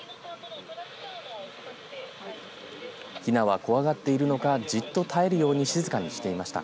ひなは怖がっているのかじっと耐えるように静かにしていました。